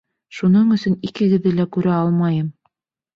Шуның өсөн икегеҙҙе лә күрә алмайым!